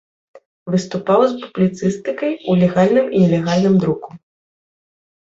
Выступаў з публіцыстыкай у легальным і нелегальным друку.